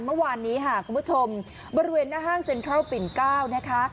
เมื่อวานนี้ค่ะคุณผู้ชมบริเวณหน้าห้างเซ็นทรัลปิ่น๙นะคะ